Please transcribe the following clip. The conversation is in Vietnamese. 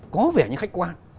có vẻ như khách quan